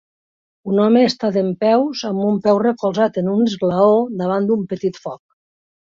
Un home està dempeus amb un peu recolzat en un esglaó davant d'un petit foc.